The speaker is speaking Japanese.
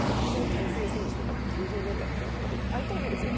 「転生戦士」とかって９０年代の前半までいっぱいいたわけですよ。